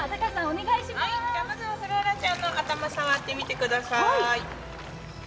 まずは、フローラちゃんの頭を触ってみてください。